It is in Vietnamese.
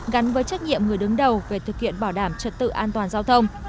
gắn với trách nhiệm người đứng đầu về thực hiện bảo đảm trật tự an toàn giao thông